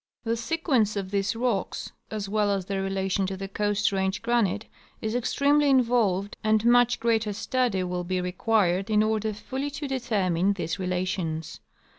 The sequence of these rocks, as well as their relation to the Coast Range granite, is extremely involved, and much further study will be required in order fully to determine these relations.